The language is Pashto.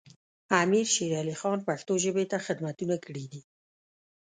امیر شیر علی خان پښتو ژبې ته خدمتونه کړي دي.